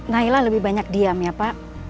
naila lebih banyak diam ya pak